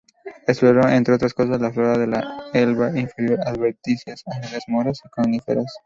Exploró, entre otras cosas, la flora del Elba inferior, adventicias, algas, moras y coníferas.